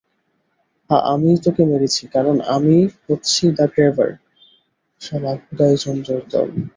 হ্যাঁ, আমিই তাকে মেরেছি কারণ আমিই হচ্ছি দ্য গ্র্যাবার, শালা ভোদাইচন্দ্রের দল।